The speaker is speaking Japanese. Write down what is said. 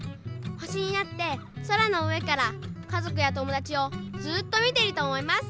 ほしになってそらのうえからかぞくやともだちをずっとみてるとおもいます。